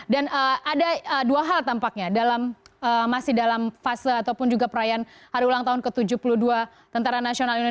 dan ada dua hal tampaknya dalam masih dalam fase ataupun juga perayaan hari ulang tahun ke tujuh puluh dua tni